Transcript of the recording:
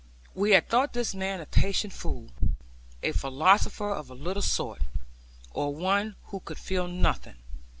We had thought this man a patient fool, a philosopher of a little sort, or one who could feel nothing.